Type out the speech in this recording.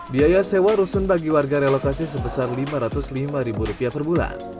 biaya sewa rusun bagi warga relokasi sebesar rp lima ratus lima per bulan